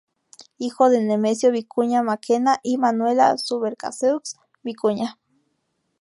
Hijo de Nemesio Vicuña Mackenna y Manuela Subercaseaux Vicuña.